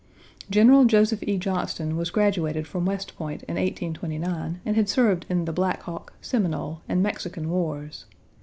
General Joseph E. Johnston was graduated from West Point in 1829 and had served in the Black Hawk, Seminole, and Mexican Wars.